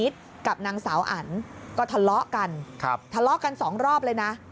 ทะเลาะกันสองรอบเลยนะ